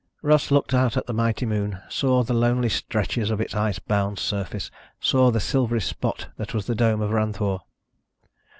Russ looked out at the mighty moon, saw the lonely stretches of its ice bound surface, saw the silvery spot that was the dome of Ranthoor.